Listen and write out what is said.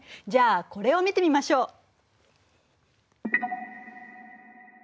じゃあこれを見てみましょう。